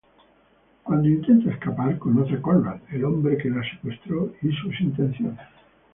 Cuando intenta escapar conoce a Conrad el hombre que la secuestro y sus intenciones.